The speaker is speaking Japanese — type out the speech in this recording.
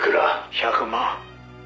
「１００万」